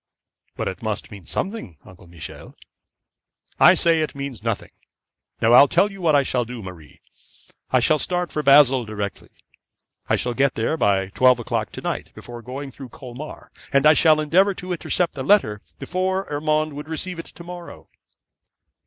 'But it must mean something, Uncle Michel.' 'I say it means nothing. Now I'll tell you what I shall do, Marie. I shall start for Basle directly. I shall get there by twelve o'clock to night by going through Colmar, and I shall endeavour to intercept the letter before Urmand would receive it to morrow.'